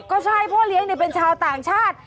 ก็ใช่พ่อเลี้ยงเป็นชาวต่างชาติ